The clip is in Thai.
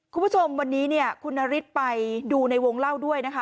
คุณผู้ชมวันนี้เนี่ยคุณนฤทธิ์ไปดูในวงเล่าด้วยนะคะ